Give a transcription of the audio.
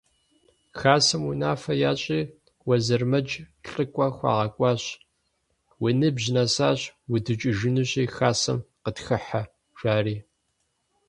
Хасэм унафэ ящӏри, Уэзырмэдж лӏыкӏуэ хуагъэкӏуащ: – Уи ныбжь нэсащ, удукӏыжынущи, хасэм къытхыхьэ, – жари.